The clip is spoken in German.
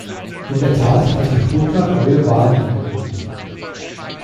In der Tat hat die Junta neue Wahlen angekündigt.